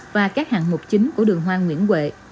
và các hạng mục chính của đường hoa nguyễn huệ